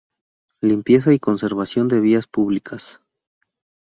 Limpieza y conservación de vías públicas.